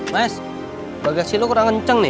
mas bagasi lu kurang kenceng nih